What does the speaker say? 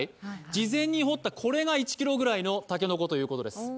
事前に掘ったこれが１ｋｇくらいの竹の子ということです。